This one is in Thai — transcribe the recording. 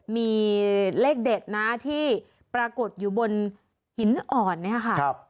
มีเลขเด็ดนะที่ปรากฏอยู่บนหินอ่อนเนี่ยค่ะ